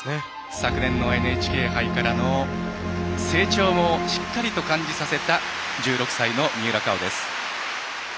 昨年のＮＨＫ杯からの成長もしっかりと感じさせた１６歳の三浦佳生です。